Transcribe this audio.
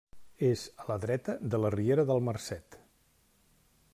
És a la dreta de la riera del Marcet.